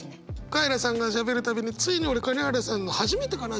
カエラさんがしゃべる度についに俺金原さんの初めてかな？